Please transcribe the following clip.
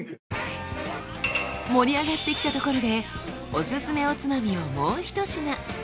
盛り上がってきたところでオススメおつまみをもうひと品。